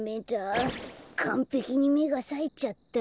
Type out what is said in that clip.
かんぺきにめがさえちゃったよ。